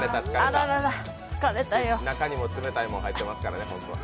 中にも冷たいもの入ってますからね。